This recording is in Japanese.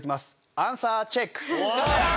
アンサーチェック！